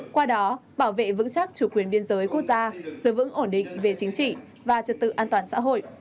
qua đó bảo vệ vững chắc chủ quyền biên giới quốc gia giữ vững ổn định về chính trị và trật tự an toàn xã hội